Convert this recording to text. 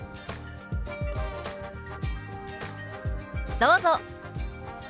どうぞ！